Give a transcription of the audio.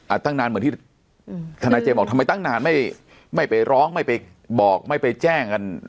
ตั้งนานเหมือนที่ทนายเจมส์บอกทำไมตั้งนานไม่ไม่ไปร้องไม่ไปบอกไม่ไปแจ้งกัน